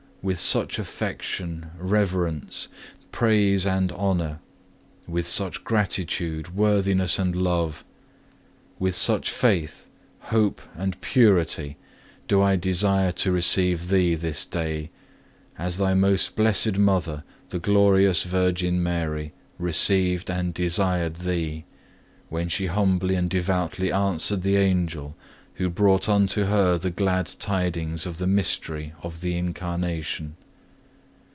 with such affection, reverence, praise, and honour, with such gratitude, worthiness, and love, with such faith, hope, and purity do I desire to receive Thee this day, as Thy most blessed Mother, the glorious Virgin Mary, received and desired Thee, when she humbly and devoutly answered the Angel who brought unto her the glad tidings of the mystery of the Incarnation.